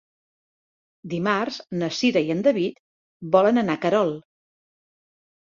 Dimarts na Cira i en David volen anar a Querol.